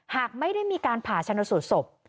หากไม่ได้มีการผ่าชนสูตรศพ